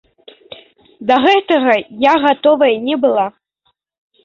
Да гэтага я гатовая не была.